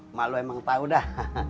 emang lu emang tau dah